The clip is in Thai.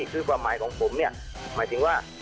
คือความหมายของผมเนี่ยหมายถึงว่า